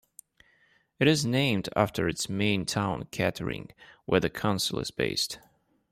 It is named after its main town Kettering where the council is based.